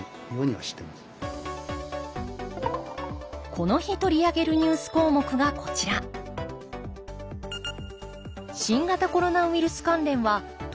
この日取り上げるニュース項目がこちら新型コロナウイルス関連は特に重要だと考え